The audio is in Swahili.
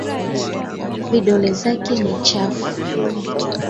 Vidole zake ni chafu.